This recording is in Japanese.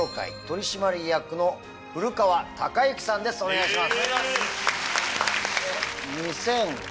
お願いします。